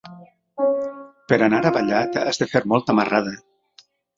Per anar a Vallat has de fer molta marrada.